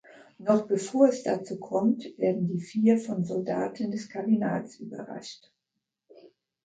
Doch bevor es dazu kommt, werden die vier von Soldaten des Kardinals überrascht.